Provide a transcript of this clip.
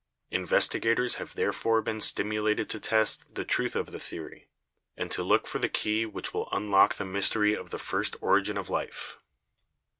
Investigators have therefore been stimulated to test the truth of the theory and to look for the key which will unlock the mystery of the first origin of life.